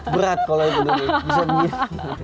berat kalau itu dulu bisa dilihat